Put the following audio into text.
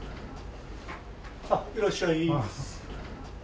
あっいらっしゃい。